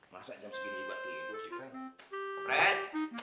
masa jam segini juga tidur sih pren